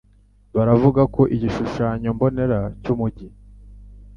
buravuga ko igishushanyo mbonera cy'Umugi